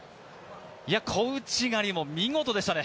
小内刈りも見事でしたね。